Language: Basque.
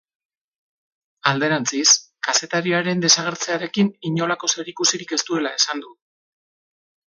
Alderantziz, kazetariaren desagertzearekin inolako zerikusirik ez duela esan du.